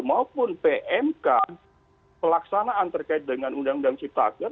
maupun pmk pelaksanaan terkait dengan undang undang cipta agar